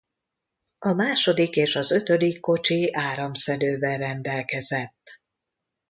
A második és az ötödik kocsi áramszedővel rendelkezett.